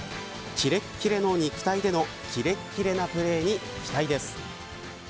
キレッキレの肉体美へのキレッキレなプレーに期待です。